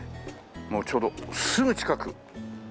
もうちょうどすぐ近く。